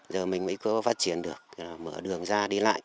giờ mình mới có phát triển được mở đường ra đi lại